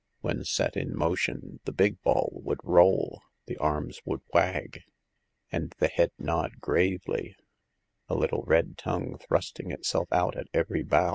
When set in motion the big ball would roll, the arms would wag, and the head nod gravely, a little red tongue thrusting itself out at every bow.